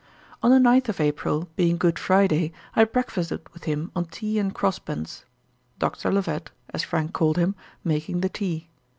On the 9th of April, being Good Friday, I breakfasted with him on tea and cross buns; Doctor Levet, as Frank called him, making the tea.